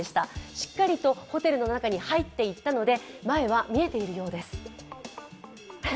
しっかりとホテルの中に入っていったので、前は見えているようです。